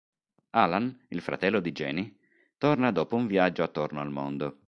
Allan, il fratello di Jenny, torna dopo un viaggio attorno al mondo.